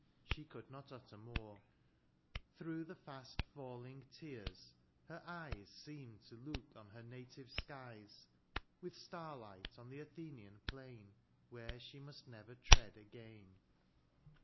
^' She could not utter more. 6C 72 DIONYSIUS, Through the fiast £EJlmg tears^ her eyes Seemed to look on her native skies^ With starlight on the Athenian phdn^ Where she must never tread again.